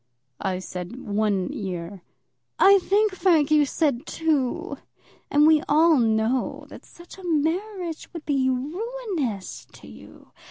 "I said one year." "I think, Frank, you said two. And we all know that such a marriage would be ruinous to you.